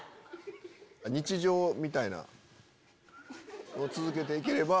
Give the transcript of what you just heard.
日常みたいなのを続けて行ければ。